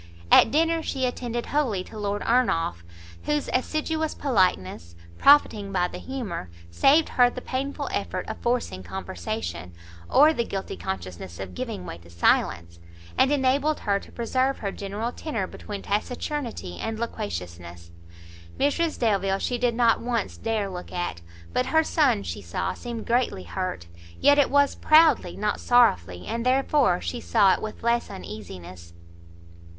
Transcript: At dinner she attended wholly to Lord Ernolf, whose assiduous politeness, profiting by the humour, saved her the painful effort of forcing conversation, or the guilty consciousness of giving way to silence, and enabled her to preserve her general tenor between taciturnity and loquaciousness. Mrs Delvile she did not once dare look at; but her son, she saw, seemed greatly hurt; yet it was proudly, not sorrowfully, and therefore she saw it with less uneasiness.